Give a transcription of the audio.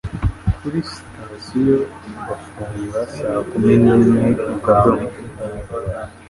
kuri sitasiyo bafunga saa kumi n'imwe mu kadomo.